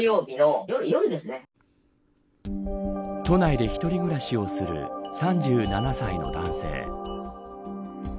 都内で１人暮らしをする３７歳の男性。